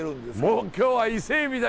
もう今日は伊勢エビだ！